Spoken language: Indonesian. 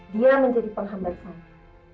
dia menjadi penghambat sana